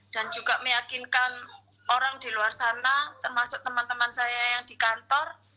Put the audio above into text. juga meyakinkan orang di luar sana termasuk teman teman saya yang di kantor